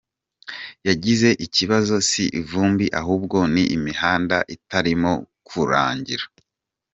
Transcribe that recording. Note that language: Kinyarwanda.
Yagize "Ikibazo si ivumbi ahubwo ni imihanda itarimo kurangira.